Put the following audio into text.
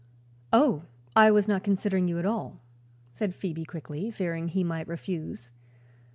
"Oh, I was not considering you at all," said Phoebe quickly, fearing he might refuse.